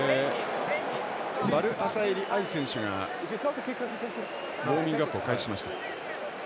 ヴァルアサエリ愛選手がウォーミングアップを開始しました。